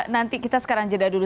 nanti kita jadah dulu